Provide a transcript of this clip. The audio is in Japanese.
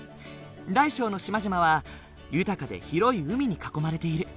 大小の島々は豊かで広い海に囲まれている。